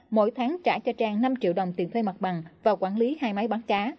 mỗi tháng trả cho trang năm triệu đồng tiền thuê mặt bằng và quản lý hai máy bán cá